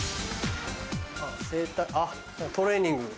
整体あっトレーニング。